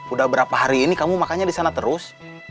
udah berapa hari ini kamu makan disana terus